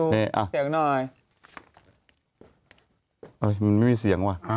มันไม่มีเสียงวะ